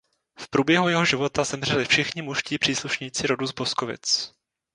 V průběhu jeho života zemřeli všichni mužští příslušníci rodu z Boskovic.